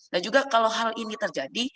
nah juga kalau hal ini terjadi